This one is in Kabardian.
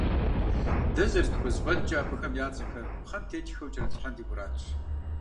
Дэ зэрытхузэфӏэкӏкӏэ, абыхэм я цӏэхэр пхъэм теттхэу кӏэрытлъхьэну ди мурадщ.